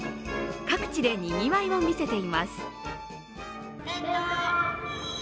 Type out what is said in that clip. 各地でにぎわいを見せています。